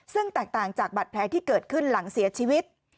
ซึ่งแตกต่างจากบัตรแผลที่เกิดขึ้นหลังเสียชีวิต